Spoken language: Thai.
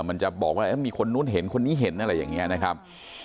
มันจะบอกว่ามีคนนู้นเห็นคนนี้เห็นอะไรอย่างนี้นะครับ